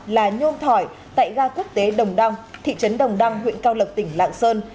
là nhôm thỏi tại ga quốc tế đồng đăng thị trấn đồng đăng huyện cao lộc tỉnh lạng sơn